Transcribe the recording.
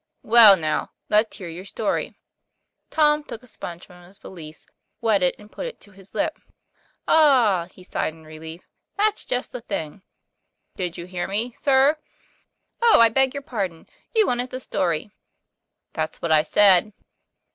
"Well, now, let's hear your story." Tom took a sponge from his valise, wet it and put it to his lip. "Ah!" he sighed in relief; "that's just the thing." " Did you hear me, sir ?'" Oh, I beg your pardon. You want the story ?" "That's what I said."